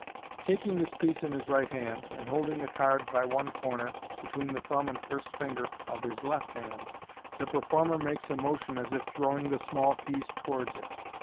Taking this piece in his right hand, and holding the card by one corner between the thumb and first finger of his left hand (see Fig. 53), the performer makes a motion as if throwing the small piece towards it.